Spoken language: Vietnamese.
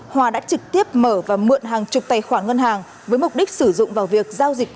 hòa đã trực tiếp mở và mượn hàng chục tài khoản ngân hàng với mục đích sử dụng vào việc giao dịch